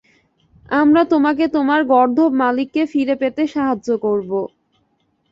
আমরা তোমাকে তোমার গর্দভ মালিককে ফিরে পেতে সাহায্য করব।